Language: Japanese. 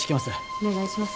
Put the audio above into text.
お願いします。